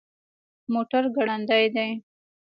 موټر ګړندی دی